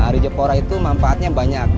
rijopora itu manfaatnya banyak